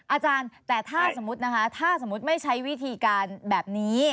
อาจารย์แต่ถ้าสมมุติไม่ใช้วิธีการแบบนี้